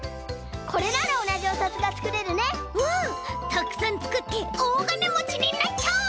たくさんつくっておおがねもちになっちゃおう！